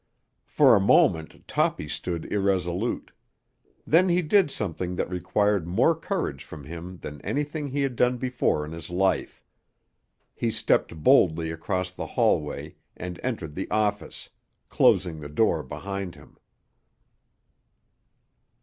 For a moment Toppy stood irresolute. Then he did something that required more courage from him than anything he had done before in his life. He stepped boldly across the hallway and entered the office, closing the door behind him.